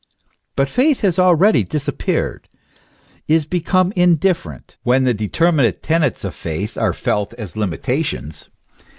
But faith has already disappeared, is become indifferent, when the determinate tenets of faith are felt as limitations.